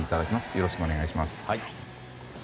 よろしくお願いします。